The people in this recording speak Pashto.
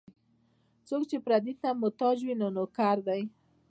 څوک چې پردي ته محتاج وي، نوکر دی.